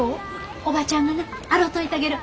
おばちゃんがな洗といたげる。